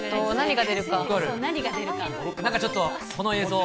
なんかちょっと、この映像。